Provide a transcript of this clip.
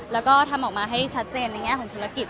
แล้วก็ทำออกมาให้ชัดเจนในแง่ของธุรกิจ